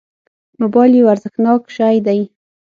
موبایل یو ارزښتناک شی دی.